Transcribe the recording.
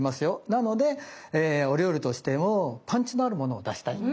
なのでお料理としてもパンチのあるものを出したいと。